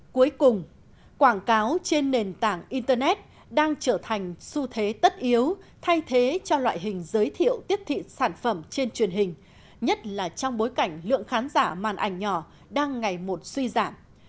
cuối cùng quảng cáo trên nền tảng internet đang trở thành xu thế tất yếu thay thế cho loại hình giới thiệu tiếp thị sản phẩm trên truyền hình nhất là trong bối cảnh lượng khán giả màn ảnh nhỏ đang ngày một suy giảm